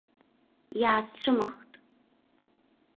Иаасцәымыӷхт.